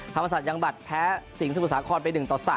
ธรรมศัตริยังบัตรแพ้สิงห์สมุสาครไป๑๓